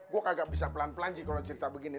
gua kagak bisa pelan pelan g kalo cerita begini